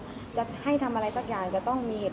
กลับมามีปัญหากันอีก